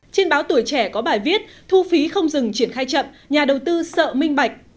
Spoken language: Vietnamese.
trên báo tuổi trẻ có bài viết thu phí không dừng triển khai chậm nhà đầu tư sợ minh bạch